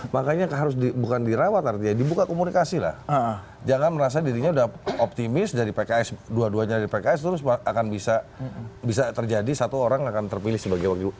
makanya harus bukan dirawat artinya dibuka komunikasi lah jangan merasa dirinya udah optimis dari pks dua duanya dari pks terus akan bisa terjadi satu orang akan terpilih sebagai wakil